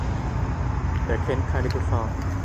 Er kennt keine Gefahr.